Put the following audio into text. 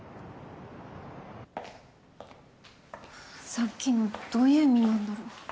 さっきのどういう意味なんだろ。